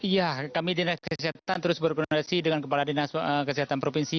ya kami dinas kesehatan terus berkoordinasi dengan kepala dinas kesehatan provinsi